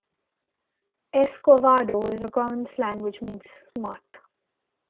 'Escovado' is a common slang which means 'smart'.